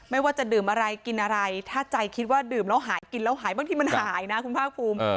ว่าจะดื่มอะไรกินอะไรถ้าใจคิดว่าดื่มแล้วหายกินแล้วหายบางทีมันหายนะคุณภาคภูมิ